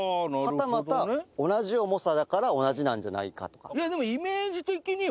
はたまた同じ重さだから同じなんじゃないかとか。